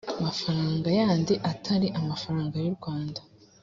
mafaranga yandi atari amafaranga y urwanda